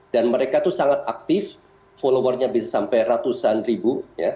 dan mereka itu sangat aktif followernya bisa sampai ratusan ribu